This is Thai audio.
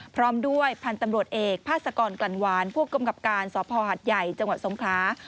พร้อมด้วยพันธุ์ตำรวจเอกภาษกรกลั่นวานผู้กำกับการสภหัดใหญ่จังหวัดสงครา